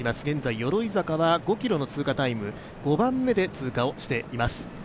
現在鎧坂は５ｋｍの通過タイム５番目で通過をしています。